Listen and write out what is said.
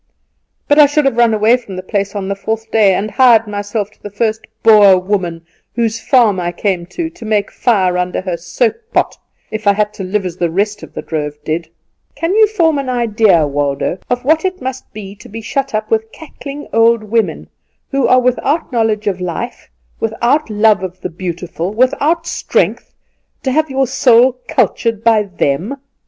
But I should have run away from the place on the fourth day, and hired myself to the first Boer woman whose farm I came to, to make fire under her soap pot, if I had to live as the rest of the drove did. Can you form an idea, Waldo, of what it must be to be shut up with cackling old women, who are without knowledge of life, without love of the beautiful, without strength, to have your soul cultured by them?